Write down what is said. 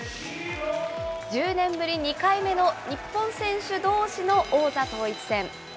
１０年ぶり２回目の日本選手どうしの王座統一戦。